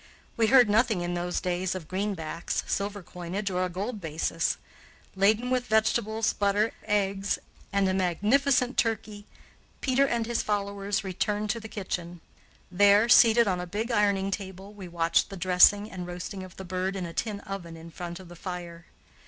We heard nothing in those days of greenbacks, silver coinage, or a gold basis. Laden with vegetables, butter, eggs, and a magnificent turkey, Peter and his followers returned to the kitchen. There, seated on a big ironing table, we watched the dressing and roasting of the bird in a tin oven in front of the fire.